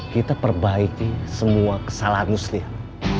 kita perbaiki semua kesalahan muslim